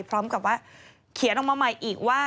พร้อมกับว่าเขียนออกมาใหม่อีกว่า